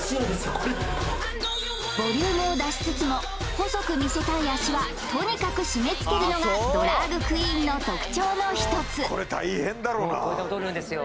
これボリュームを出しつつも細く見せたい脚はとにかく締め付けるのがドラァグクイーンの特徴の１つこれで踊るんですよ